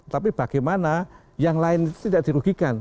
tapi bagaimana yang lain itu tidak dirugikan